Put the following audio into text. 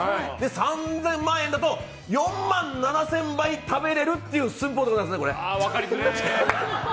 ３０００万円だと４万７０００杯食べれるという分かりづれえ。